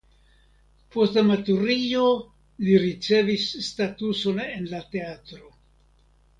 Post la maturiĝo li ricevis statuson en la teatro.